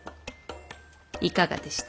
いかがでした？